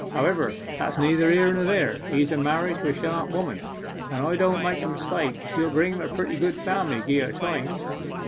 However, that's neither here nor there; he's a married to a sharp woman, and if I don't make a mistake she'll bring him a pretty good family, gie her time.